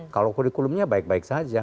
kalau kurikulumnya baik baik saja